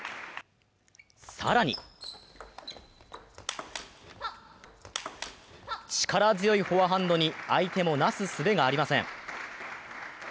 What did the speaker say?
更に力強いフォアハンドに相手もなすすべがありません。